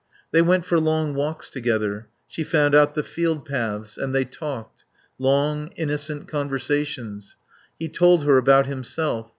They went for long walks together. She found out the field paths. And they talked. Long, innocent conversations. He told her about himself.